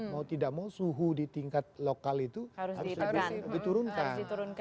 mau tidak mau suhu di tingkat lokal itu harus lebih diturunkan